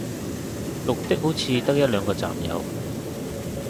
綠的好似得一兩個站有